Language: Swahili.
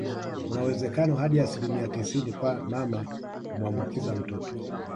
Kuna uwezekano hadi asilimia tisini kwa mama kumuambukiza mtoto